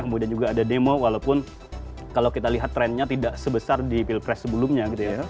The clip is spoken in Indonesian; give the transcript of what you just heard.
kemudian juga ada demo walaupun kalau kita lihat trennya tidak sebesar di pilpres sebelumnya gitu ya